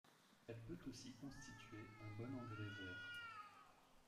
Elle peut aussi constituer un bon engrais vert.